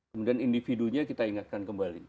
kemudian individunya kita ingatkan kembali